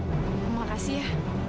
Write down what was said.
terima kasih ya